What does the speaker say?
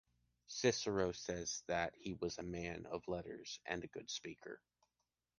Cicero says that he was a man of letters and a good speaker.